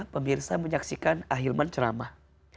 pemirsa menyaksikan ahilman ceramah